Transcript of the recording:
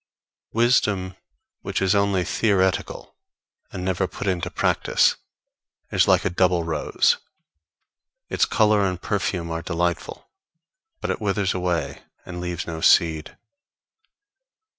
Wisdom which is only theoretical and never put into practice, is like a double rose; its color and perfume are delightful, but it withers away and leaves no seed.